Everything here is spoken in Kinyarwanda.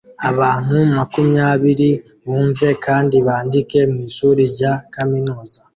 Abantu Makumyabiri bumve kandi bandike mwishuri rya kaminuza